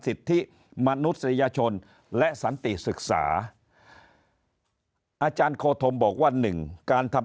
สิทธิมนุษยชนและสันติศึกษาอาจารย์โคธมบอกว่าหนึ่งการทำ